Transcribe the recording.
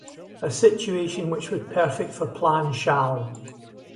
A situation which was perfect for plan Challe.